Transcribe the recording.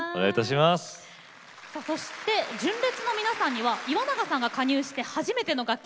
さあそして純烈の皆さんには岩永さんが加入して初めての楽曲